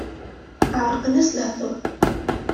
Ɛerqen-as lehdur.